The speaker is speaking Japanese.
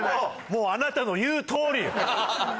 もうあなたの言うとおりよ。